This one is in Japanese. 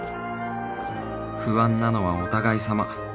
不安なのはお互いさま